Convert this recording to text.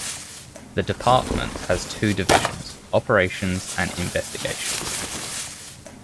The Department has two divisions, Operations and Investigations.